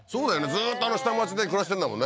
ずーっと下町で暮らしてんだもんね